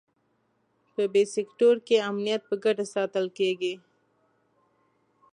په بي سیکټور کې امنیت په ګډه ساتل کېږي.